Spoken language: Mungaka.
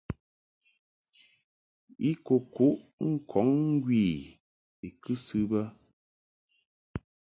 I kɨ kuʼ ŋkɔŋ ŋgwi I kɨsɨ bə.